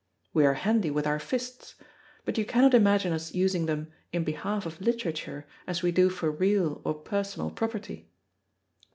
We are handy with our fists; but you cannot imagine us using them in behalf of literature, as we do for real or personal property.